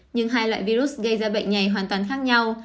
nhưng hai loại virus gây ra bệnh này hoàn toàn khác nhau